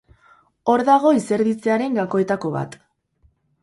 Hor dago izerditzearen gakoetako bat.